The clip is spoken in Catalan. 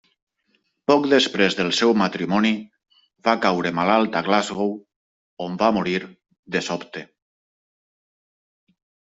Poc després del seu matrimoni, va caure malalt a Glasgow on va morir de sobte.